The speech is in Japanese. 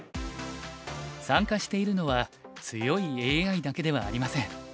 参加しているのは強いＡＩだけではありません。